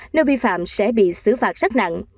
nếu vi phạm sẽ bị xử phạt rất nặng